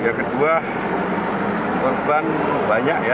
yang kedua korban banyak ya